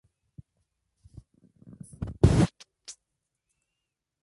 Un combatiente rebelde denunció que murió durante los bombardeos de las fuerzas pro-gubernamentales.